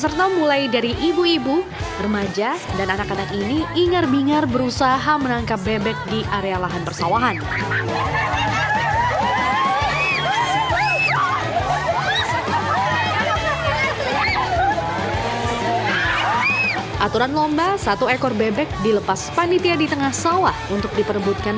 seru sekali acaranya baru pertama saya melihat ada lomba